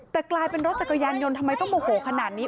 แต่กลายเป็นรถจักรยานยนต์ทำไมต้องโมโหขนาดนี้